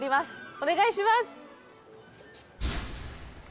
お願いします。